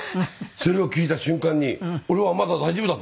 それを聞いた瞬間に俺はまだ大丈夫だって思いました。